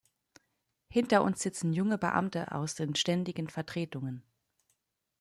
Hinter uns sitzen junge Beamte aus den Ständigen Vertretungen.